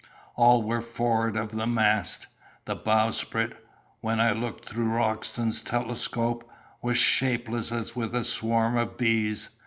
All were forward of the foremast. The bowsprit, when I looked through Roxton's telescope, was shapeless as with a swarm of bees.